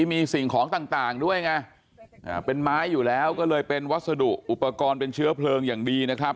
มีสิ่งของต่างด้วยไงเป็นไม้อยู่แล้วก็เลยเป็นวัสดุอุปกรณ์เป็นเชื้อเพลิงอย่างดีนะครับ